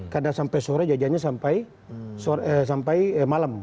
karena sampai sore jajannya sampai malam